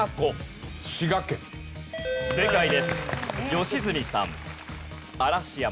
良純さん。